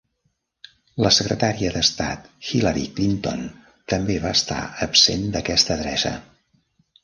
La secretària d'estat Hillary Clinton també va estar absent d'aquesta adreça.